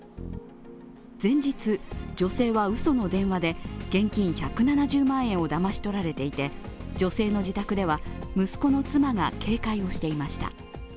前日、女性はうその電話で現金１７０万円をだまし取られていて女性の自宅では息子の妻が警戒をしていました。